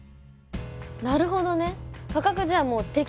なるほどね。